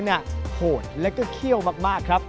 โหดแล้วก็เขี้ยวมากครับ